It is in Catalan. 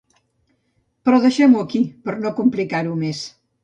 Però deixem-ho aquí, per no complicar-ho més.